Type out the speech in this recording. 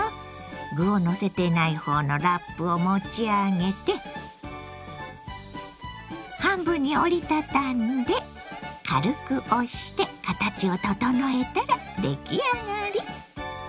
具をのせていない方のラップを持ち上げて半分に折り畳んで軽く押して形を整えたら出来上がり！